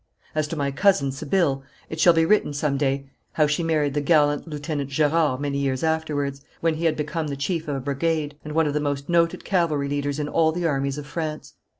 As to my cousin Sibylle, it shall be written some day how she married the gallant Lieutenant Gerard many years afterwards, when he had become the chief of a brigade, and one of the most noted cavalry leaders in all the armies of France.